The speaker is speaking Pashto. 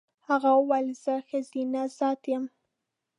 هغې وویل زه ښځینه ذات یم.